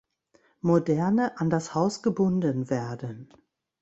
Moderne an das Haus gebunden werden.